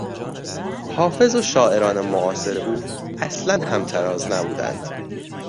حافظ و شاعران معاصر او اصلا همتراز نبودند.